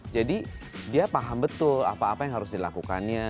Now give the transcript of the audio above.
jadi dia paham betul apa apa yang harus dilakukannya